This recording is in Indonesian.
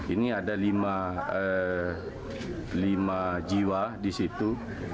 ini ada lima jiwa di situ